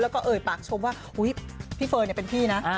แล้วก็เอ่ยปากชมว่าพี่เฟิร์นเป็นพี่นะ